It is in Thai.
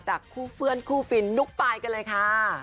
คู่เพื่อนคู่ฟินนุ๊กปายกันเลยค่ะ